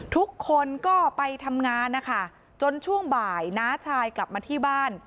ทุกคนก็ไปทำงานนะคะจนช่วงบ่ายน้าชายกลับมาที่บ้าน